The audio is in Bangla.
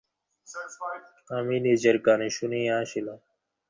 আমি নিজের কানে শুনিয়া আসিলাম।